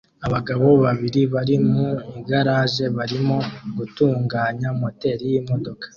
Abagabo babiri bari mu igaraje barimo gutunganya moteri yimodoka